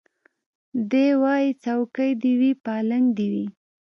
دی وايي څوکۍ دي وي پالنګ دي وي